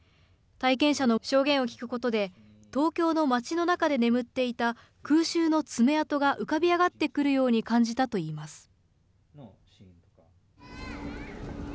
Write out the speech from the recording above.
体験者の証言を聞くことで、東京の街の中で眠っていた空襲の爪痕が浮かび上がってくるように感じたといいます。